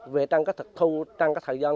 về trang các thực thu trang các thời gian